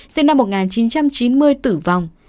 sinh năm một nghìn chín trăm chín mươi tử vong